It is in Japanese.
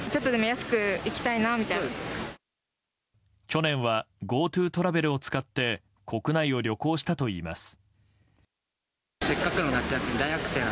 去年はＧｏＴｏトラベルを使って国内を旅行したといいます。